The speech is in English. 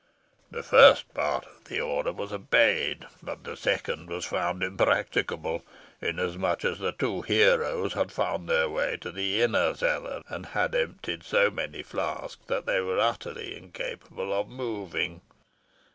The first part of the order was obeyed, but the second was found impracticable, inasmuch as the two heroes had found their way to the inner cellar, and had emptied so many flasks that they were utterly incapable of moving.